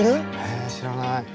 え知らない。